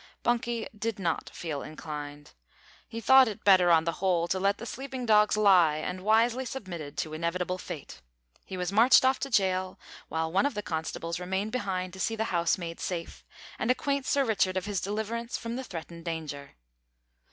Bunky did not feel inclined. He thought it better, on the whole, to let the sleeping dogs lie, and wisely submitted to inevitable fate. He was marched off to jail, while one of the constables remained behind to see the house made safe, and acquaint Sir Richard of his deliverance from the threatened danger.